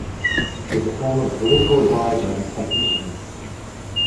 He is a former political advisor and technician.